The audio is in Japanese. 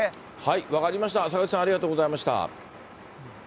分かりました、坂口さん、あありがとうございました。